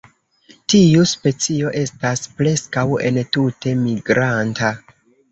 Tiu specio estas preskaŭ entute migranta.